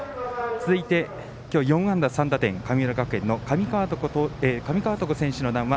続いて、今日４安打３打点神村学園の上川床選手の談話